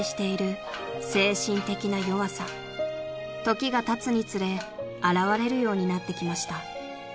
［時がたつにつれあらわれるようになってきました］